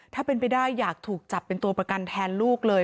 ถ้าเป็นไปได้อยากถูกจับเป็นตัวประกันแทนลูกเลย